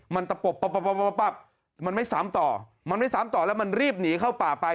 มันตะปบมันไม่ซ้ำต่อมันไม่ซ้ำต่อแล้วมันรีบหนีเข้าป่าไป